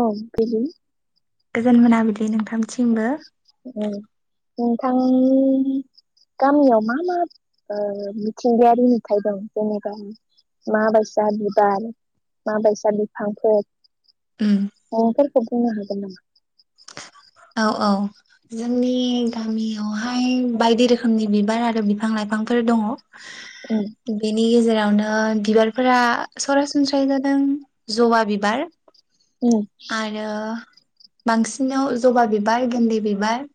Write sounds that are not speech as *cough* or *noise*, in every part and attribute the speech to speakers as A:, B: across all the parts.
A: औ बेबो
B: गोजोन मोनाबिलि नोंथांनिसिमबो।
A: उम नोंथांमोननि गामियाव मा मा ओ मिथिंगायारि नुथाय दं जेनेबा माबायसा बिबार माबायसा बिफांफोर
B: उम
A: अ फोर *unintelligible* बुंनो हागोन नामा?
B: औ औ जोंनि गामियावहाय बायदि रोखोमनि बिबार आरो बिफां लाइफांफोर दङ
A: उम
B: बेनि गेजेराव नो बिबारफोरा सरासनस्रायै जादों जबा बिबार
A: उम
B: आरो बांसिनाव जबा बिबार गोन्दै बिबार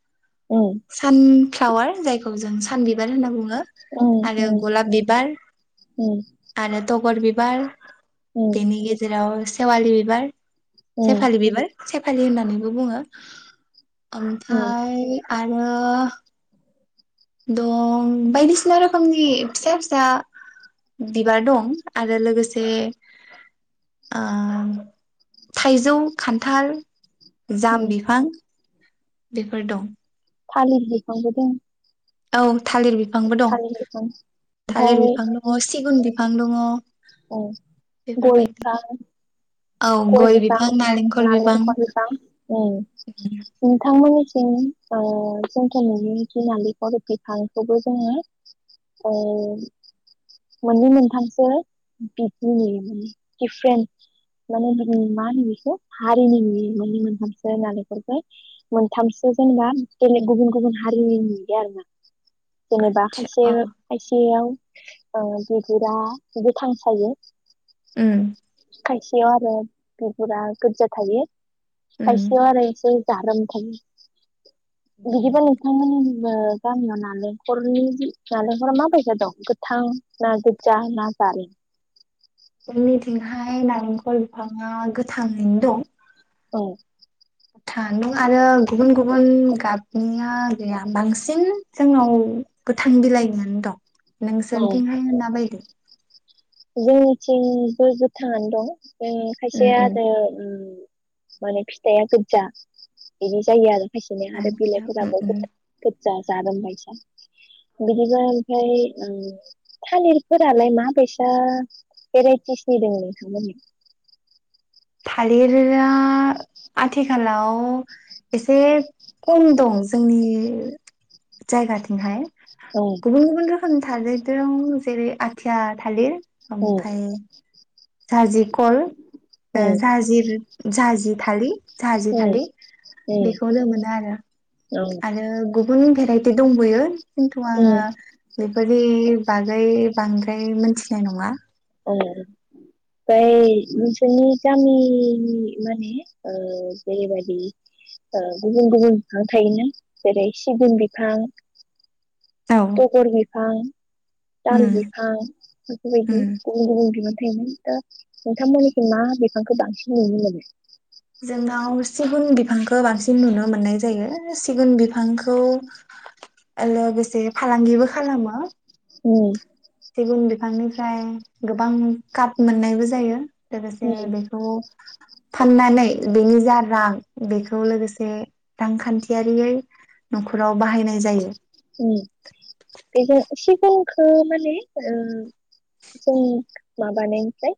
A: उम
B: सान फ्लावार जायखौ जों सानबिबार होनना बुङो ओ आरो
A: उम
B: गलाब बिबार
A: उम
B: आरो तगर बिबार
A: उम
B: बेनि गेजेराव सेेवाली बिबार
A: उम
B: सेफालि बिबार सेफालि होननानैबो बुङो
A: उम
B: ओमफ्राय आरो दं बायदिसिना रोखोमनि फिसा फिसा बिबार दं आरो लोगोसे ओम थाइजौ खान्थाल जाम
A: उम
B: बिफां बेफोर दं।
A: थालिर बिफांबो दं।
B: औ थालिर बिफांबो दं
A: थालिर बिफां
B: थालिर
A: ओमफ्राय
B: बिफां दङ सिगुन बिफां दङ।
A: औ गय
B: बेफोरबायदि
A: बिफां गय बिफां नालेंखल बिफां ओं नोंथांमोननि थिं ओ जोंथ नुयो नालेंखरि बिफांखौबो जोङो ओ मोननै मोनथामसो बिदि *unintelligible* माने बिदि मा होनो बेखौ हारिनि मोननै मोनथामसो नालेंखरखो मोनथामसो जेनेबा बेलेग गुबुन गुबुन हारिनि नुयो आरो ना। जेनेबा खायसे
B: अ
A: खायसेयाव ओ बिगुरा गोथां थायो।
B: उम्म।
A: खायसे याव आरो बिगुरा गोदजा थायो।
B: उम
A: खायसेयाव आरो एसे जारोम थायो। बिदिबा नोंथांमोननिथिंबो गामियाव नालेंखरनि नालेंखरा माबायदि दं गोथां ना गोजा ना जारें?
B: जोंनिथिंहाय नारेंखल बिफाङा गोथाङैनो दं।
A: औ।
B: था नों आरो गुबुन गुबुन गाबनिया गैया बांसिन जोंनाव गोथां बिलाइनियानो दं। नों
A: औ
B: सोरथिंहाय मा बायदि?
A: जोंनिथिंबो गोथांङानो दं। उम्म
B: उम
A: खायसेया
B: उम
A: आरो उम्म माने फिथाइआ गोदजा इदि जायो आरो। खायसेनिया आरो
B: आतसा उम
A: बिलाइफोराबो
B: उम
A: *unintelligible* जा-जारोमबायसा बिदिबा ओमफ्राय उम्म थालिरफोरालाय माबायसि दा भेराइटिसनि दं नोंथां मोननाव
B: थालिरआ आथिखालाव एसे खम दं जोंनि जायगाथिंहाय।
A: औ
B: गुबुन गुबुन रोखोमनि थालिर दं जेरै आथिया थालिर
A: औ
B: ओमफ्राय साजि खल ओ
A: औ
B: साजिर जाजि थलि साजि
A: औ
B: खालि बेखौनो मोनो आरो
A: औ
B: आरो गुब गुबुन भेराइटि दंबयो। खिन्थु आंङो
A: औ
B: *unintelligible* बेबायदि बागै बांद्राय मोनथिनाय नङा।
A: औ ओमफ्राय नोंसोरनि गामि माने ओ जेरैबायदि ओ गुबुन गुबुन बिफां थायोना जेरै सिगुन बिफां
B: औ
A: तगर बि ओं। ताल
B: उम
A: बिफां बेफोरबायदि
B: उम
A: *unintelligible* नोंथांमोनिखै मा बिफांखौ बांसिन नुनो मोनो
B: जोंनाव सिगुन बिफांखौ बांसिन नुनो मोननाय जायो सिगुन बिफांखौ लोगोसे फालांगिबो खालामो
A: उम
B: सेगुन बिफांनिफ्राय गोबां काप मोननायबो जायो लोगोसे बेखौ फाननानै बेनि जा रां बेखौ लोगोसे रांखान्थियारियै न'खराव बाहायनाय जायो
A: बेखौ सिगुनखौ माने जों माबानायनिफ्राय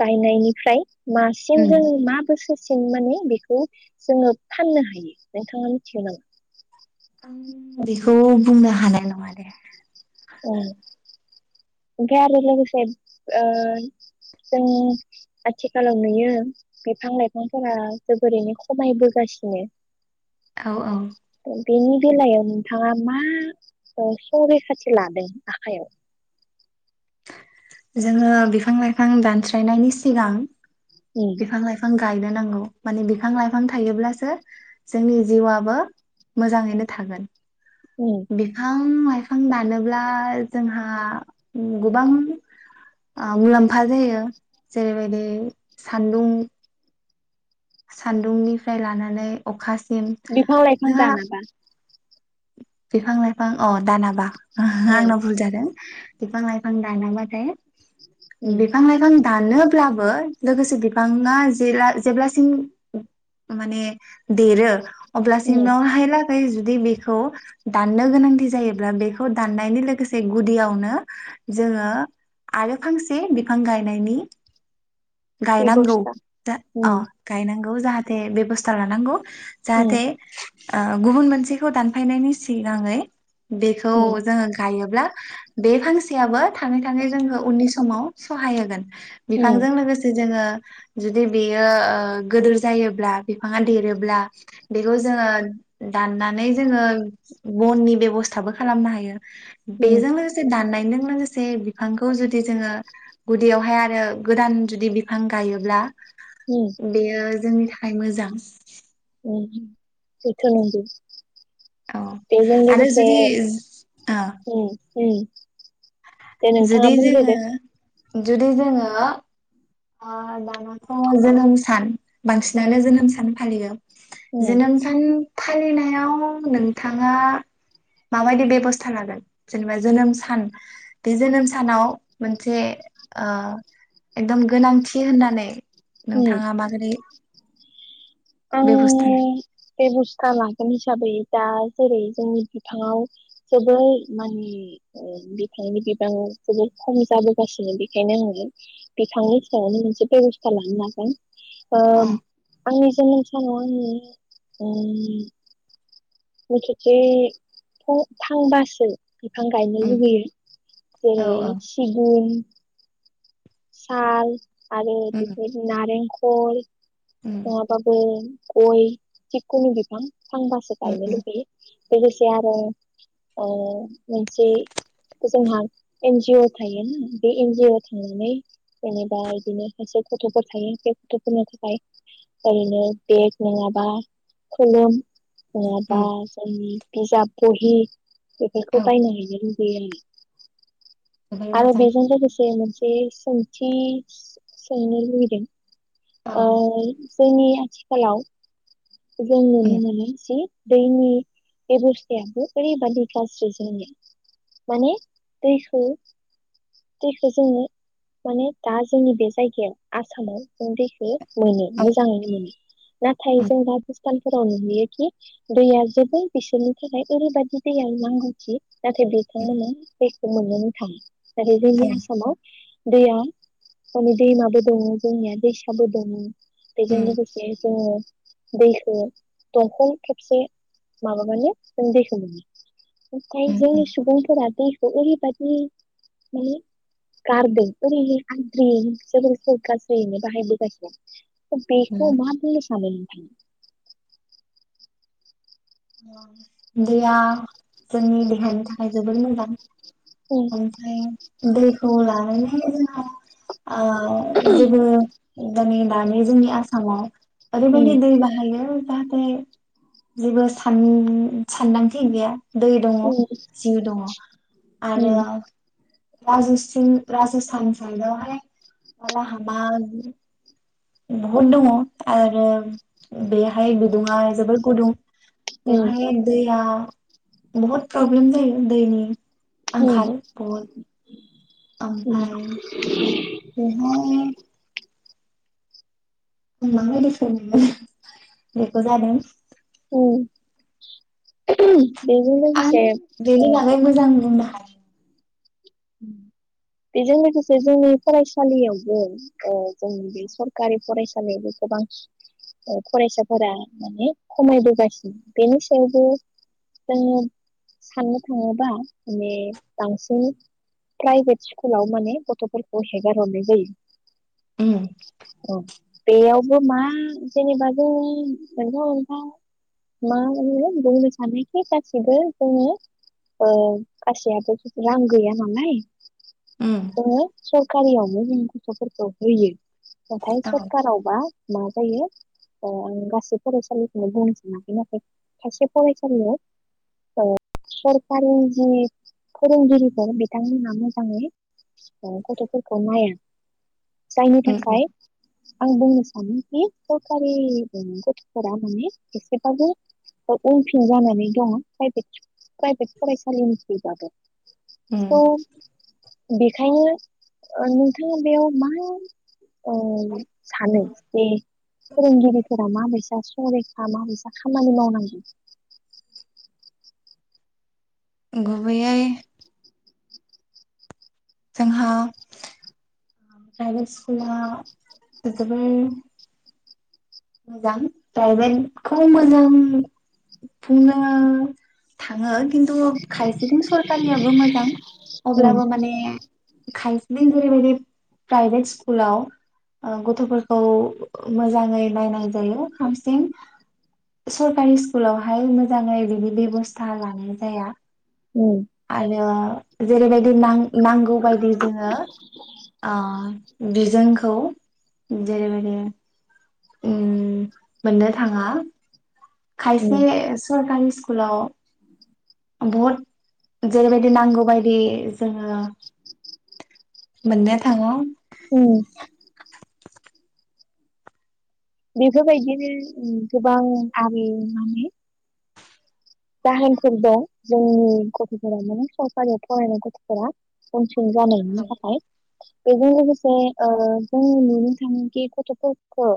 A: गायनायनिफ्राय मासिम
B: उम
A: जों मा बोसोर बांसिन माने बेखौ जोंङो फाननो हायो नोंथाङा मिथियो नामा
B: बेखौ बुंनो हानाय नंङा दे
A: ओमफ्राय आरो लोगोसे जों आथिखालाव नुयो बिफां लाइफांफोरा जोबोरैनो खमायबोगासिनो
B: औ औ
A: बेनि बेलायाव नोंथाङा मा सरैखाथि लादों आखयाव
B: जोंङो बिफां लाइफां दानस्रायनायनि सिगां
A: उम
B: बिफां लाइफां गायनो नांगौ माने बिफां लाइफां थायोब्लासो जोंनि जिउआबो मोजाङैनो थागोन।
A: उम
B: बिफां फायफां दानोब्ला जोंहा गोबां ओ मुलाम्फा जायो जेरैबायदि सान्दुं सान्दुंनिफ्राय लानानै अखा
A: बिफां लाइफां दानाबा।
B: बिफां लाइफां अह दानाबा।
A: औ
B: आंना भुल जादों। बिफां लाइफां दानाबाथाय
A: उम
B: बिफां लाायफां दानोब्लाबो लोगोसे बिफांङा जेला जेब्लासिम माने देरो अब्ला
A: उम
B: सिमावहाय ला गै जुदि बेखौ खौ दाननो गोनांथि जायोब्ला बेखौ दाननायनि लोगोसे गुदियावनो जोंङो आरो फांसे बिफां गायनायनि गायनांगौ
A: बेबस्था
B: दा
A: उम
B: अह गायनांगौ। जाहाथे बेबस्था लानांगौ।
A: उम
B: जाहाथे ओ गुबुन मोनसेखौ दान फायनायनि सिगाङै बेखौ
A: उम
B: जोंङो गायोब्ला बे फांसेयाबो थाङै थाङै जोङो उननि समाव सहाय होगोन।
A: उम
B: बिफांजों लोगोसे जोंङो जुदि बेयो ओ गोदोर जायोब्ला बिफांङा देरोब्ला बेखौ जोंङो दाननानै जोङो बननि बेब'स्थाबो खालामनो हायो।
A: उम
B: बेजों लोगोसे दाननाय जों लोगोसे बिफांखौ जुदि जोङो गुदियावहाय आरो गोदान जुदि बिफां गायोब्ला
A: उम
B: बेयो जोंनि था खाय मोजां।
A: उम बेथ' नंगौ।
B: औ
A: बेजों
B: आरो
A: लोगोसे
B: जुदि ओ
A: उम। उम। दे नोंथाङा
B: जुदि जोङो
A: बुंग्रोदो।
B: जुदि जोङो ओ दानाथ' जोनोम सान बांसिनानो जोनोम सान फालियो।
A: उम
B: जोनोम सान फालिनायाव नोंथाङा माबायदि बेबस्था लागोन जेनेबा जोनोम सान बे जोनोम सानाव मोनसे ओ एकदम गोनांथि होननानै नोंथाङा माबोरै
A: अ
B: बेब'स्था
A: बे बेबस्टा लाागोन हिसाबै दा जेरै जोंनि बिफाङाव जोबोर माने ओ बिफांनि बिबां जोबोर खम जाबोगासिनो बेखायनो आं नुगोन बिफांनि सायावनो मोनसे बेब'स्था लानो हागोन *inaudible*
B: अ
A: जोंनि आंनि समाव आंनि ओम *inaudible* बिफां गायनो
B: उम
A: लुुबैयो
B: औ
A: जेरै
B: औ
A: सिगुन साल आरो
B: उम
A: बिफोर नारें खल
B: उम
A: नङाबाबो गय जिकुनु बिफां थांबासो
B: उम
A: गायनो
B: उम
A: लुगैयो लोगोसे आरो ओ मोनसे जोंहा एन जि अ थायो बे एन जि अ थांनानै जेनेबा इदिनो खायसे गथ'फोर थायो टेप टेप होननो थाखाय ओरैनो बेग नङाबा खलम ङाबा
B: उम
A: जायनि बिजाब बहि बेफोरखौ
B: औ
A: बायनो होयो
B: जोबोर
A: *inaudible* आरो
B: मोजां
A: बेेजों लोगोसे मोनसे सोंथि सो सोंनो लुगैदों
B: औ
A: ओइ। जोंनि आथिखालाव जों नुनो
B: उम
A: मोनो जे दैनि बेबस्थायाबो ओरैबादि गाज्रि जोंनिया। माने दैखौ दैखौ जोङो माने दा जोंनि बे जायगायाव आसामाव जों दैखो मोनो
B: औ
A: मोजाङै मोनो। नाथाय
B: उम
A: जों दा दैफोराव नुयोखि दैया जोबोर बिसोरनि थाखाय ओरैबायदि दैया नांगौथि नाथाय
B: उम
A: बिथांमोना दैखौ मोनलोङो *unintelligible*
B: औ
A: ओरैबायदि आसामाव दैया माने दैमाबो दङो जोंनिया दैसाबो दङो। बेजों
B: उम
A: लोगोसे जोङो दैखो दंखल खेबसे माबाबानो जों दैखो मोनो। ओमफाय
B: उम
A: बै
B: उम
A: सुबुंफोरादि ओरैबादि माने गारदों ओरैयै आद्रियै जोबोर *unintelligible* गाज्रियैनो बाहाय बोगासिनो।
B: उम
A: बेखौ मा बुंनो सानो नोंथाङा?
B: दैया जोंनि देहानि थाखाय जोबोर मोजां।
A: उम
B: ओमफ्राय दैखौ लानानै जोंहा आ जेबो दानि दानि जोंनि आसामाव ओरैबायदि
A: उम
B: दै बाहायो जाहाथे जेबो सा सान सानदांथि गैया। दै दङ' जिउ दङ' आरो
A: उम
B: राज'स्थिं राजस्थान साइदावहाय बाला हामा बहुद दङ' आरो बेवहाय बिदुंङा जोबोद गुदुं।
A: उम
B: बेवहाय दैया बहुत प्रब्लेम जायो दैनि
A: उम
B: आंखाल बहुद।
A: उम।
B: ओमफ्राय बेवहाय *unintelligible* जादों
A: उम। बेजों
B: आं
A: लोगोसे
B: बेनि बागैमोजां बुंनो हायो
A: बेजों लोगोसे जोंनि फरायसालियावबो ओ जोंनि बे सरखारि फरायसालियावबो गोबां फरायसाफोरा माने खमायबोगासिनो बेनि सायावबो जोंङो जोंङो साननो थाङोबा माने बांसिन प्राइभेट स्कुलाव माने गथ'फोरखौ हेगार हरनाय जायो।
B: उम
A: औ बेयावबो मा जेनेबा जों मोनफा मोनफा मा होनो बुंनो सानोखि गासिबो जोंङोनि ओ गासैयाबो रां गैया। नालाय
B: उम
A: जोंङो सर कारियावबो जों गथ'फोरखौ होयो। नाथाय
B: औ
A: सरखारावबा मा होयो ओ गासै फरायसालिखौनो बुंनो सानाखै नाथाय खायसे फरायसालियाव ओ सरकारिनि जि फोरोंगिरिफोर बिथांमोना मोजांयै गथ'फोरखौ नायो जायनि
B: उम
A: थाखाय आं बुंनो सानो बे सरखारि गथफोरा माने एसेबाबो उनफिन जानानै दङ प्राइभेट फरायसालिनिफ्रायबाबो।
B: उम उम
A: थ बेखायनो। नोंथाङा बेयाव मा ओ सानो बे फोरोंगिरिफोरा माबैसा संरैखा माबैसा खामानि मावनांगौ?
B: गुबैयै जोंहा प्राइभेट स्कुला जोबोर मोजां प्राइभेटखौ मोजां बुंनो थाङो खिन्थु खायसेथिं सरखारियाबो मोजां।
A: उम
B: अब्लाबो माने खाय। नों जेरैबायदि प्राइभेट स्कुलाव गथफोरखौ मोजाङै। नायनाय जायो हारसिं सरकारि स्कुलावहाय मोजाङै बिदि बेबस्था लानाय जाया।
A: उम
B: आरो जेरैबायदि नांगौबायदि जोङो ओ बिजोंखौ जेरैबायदि। उम मोननो थाङा। खायसे
A: उम
B: सरखारि स्कुलाव बहुद जेरैबायदि नांगौबायदि जोङो मोननो थाङो।
A: औ बेफोरबायदिनो गोबां आरि माने। जाहोनफोर दं जोंनि ओ गथफोरा माने सरकारियाव फरायनाय गथफोरा। जानायनि थाखाय। बेजों लोगोसे ओ जोङो नुनो थाङोखि गथफोरखौ।